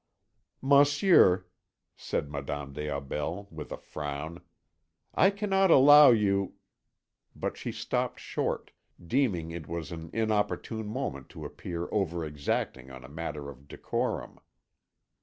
"Monsieur," said Madame des Aubels, with a frown, "I cannot allow you...." But she stopped short, deeming it was an inopportune moment to appear over exacting on a matter of decorum.